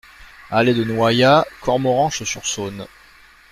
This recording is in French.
Allée de Noaillat, Cormoranche-sur-Saône